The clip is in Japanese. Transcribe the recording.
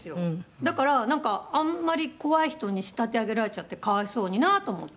「だからなんかあんまり怖い人に仕立て上げられちゃって可哀想になと思って」